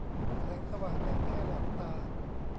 แสงสว่างยังแค่หลอกตา